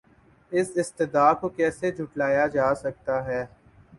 اس استدعاکو کیسے جھٹلایا جاسکتاہے؟